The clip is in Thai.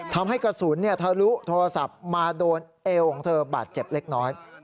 ทำให้กระสุนทะลุโทรศัพท์มาโดนเอวของเธอบาดเจ็บเล็กน้อย